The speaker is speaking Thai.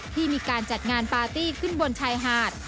ที่มีการจัดงานปาร์ตี้ขึ้นบนชายหาด